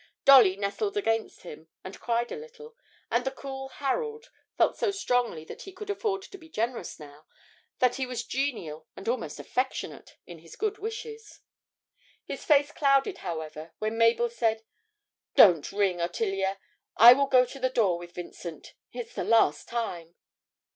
Dolly nestled against him and cried a little, and the cool Harold felt so strongly that he could afford to be generous now, that he was genial and almost affectionate in his good wishes. His face clouded, however, when Mabel said 'Don't ring, Ottilia. I will go to the door with Vincent it's the last time.'